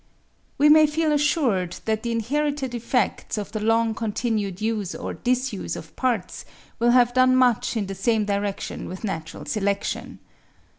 We may feel assured that the inherited effects of the long continued use or disuse of parts will have done much in the same direction with natural selection.